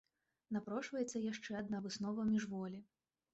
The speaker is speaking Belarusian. Напрошваецца яшчэ адна выснова міжволі.